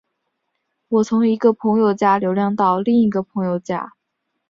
我从一个朋友家流浪到另一个朋友家。